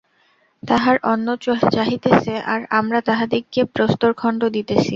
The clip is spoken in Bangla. তাহারা অন্ন চাহিতেছে, আর আমরা তাহাদিগকে প্রস্তরখণ্ড দিতেছি।